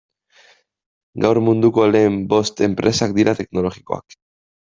Gaur munduko lehen bost enpresak dira teknologikoak.